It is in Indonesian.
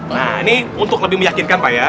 nah ini untuk lebih meyakinkan pak ya